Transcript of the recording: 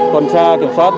tuần tra kiểm soát